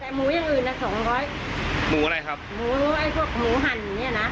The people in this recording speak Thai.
แต่หมูอย่างอื่นน่ะสองร้อยหมูอะไรครับหมูไอ้พวกหมูหั่นเนี้ยนะ